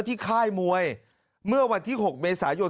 ค่ายมวยเมื่อวันที่๖เมษายน